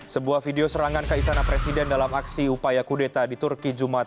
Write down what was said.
sebuah video serangan ke istana presiden dalam aksi upaya kudeta di turki jumat